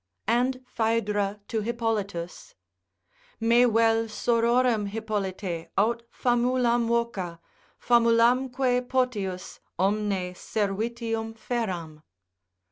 And Phaedra to Hippolitus, Me vel sororem Hippolite aut famulam voca, Famulamque potius, omne servitium feram.